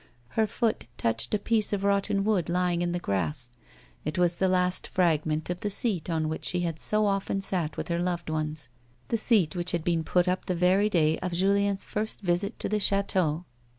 Her foot touched a piece of rotten wood lying in the grass ; it was the last fragment of the seat on which she had so often sat with her loved ones — the seat which had been put up the very day of Julien's first visit to the chateau.